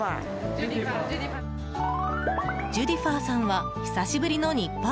ジュディファーさんは久しぶりの日本。